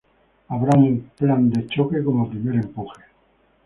Habrá un Plan de choque como primer empuje.